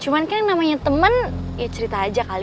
cuman kan yang namanya temen ya cerita aja kali